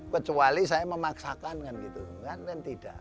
kecuali saya memaksakan kan gitu kan tidak